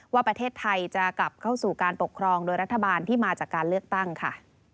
ว่าประเทศไทยจะกลับเข้าสู่การปกครองโดยรัฐบาลที่มาจากการเลือกตั้งค่ะ